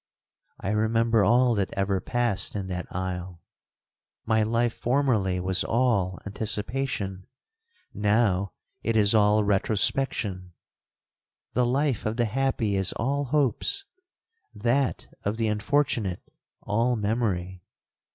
'—'I remember all that ever passed in that isle. My life formerly was all anticipation,—now it is all retrospection. The life of the happy is all hopes,—that of the unfortunate all memory.